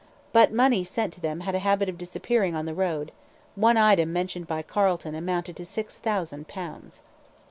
But money sent to them had a habit of disappearing on the road one item mentioned by Carleton amounted to six thousand pounds.